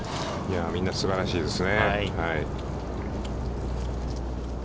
みんな、すばらしいですね。